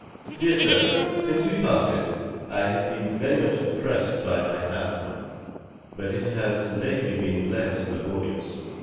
'Dear Sir, 'Since we parted, I have been much oppressed by my asthma, but it has lately been less laborious.